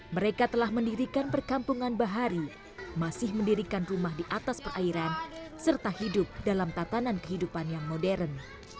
mereka telah mendirikan perkampungan bahari masih mendirikan rumah di atas perairan serta hidup dalam tatanan kehidupan yang modern